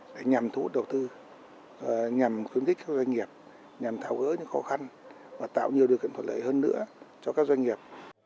để nhằm thủ đầu tư nhằm khuyến khích các doanh nghiệp nhằm thảo gỡ những khó khăn và tạo nhiều điều kiện thuật lợi hơn nữa cho các doanh nghiệp